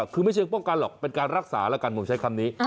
คือไม่เชิงป้องกันหรอกเป็นการรักษาแล้วกันผมใช้คำนี้